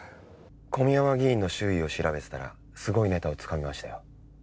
小宮山議員の周囲を調べてたらすごいネタをつかみましたよ。